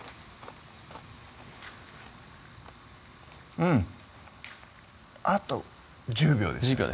うんあと１０秒ですね